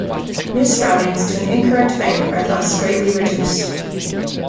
Mis-routings to an incorrect bank are thus greatly reduced.